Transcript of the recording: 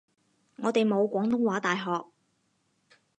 我哋冇廣東話大學